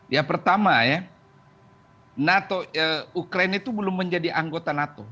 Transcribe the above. ya pertama ya nato ukraine itu belum menjadi anggota nato